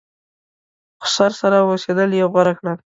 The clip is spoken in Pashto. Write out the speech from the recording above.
خسر سره اوسېدل یې غوره کړه.